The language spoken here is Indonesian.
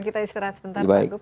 kita istirahat sebentar pak gup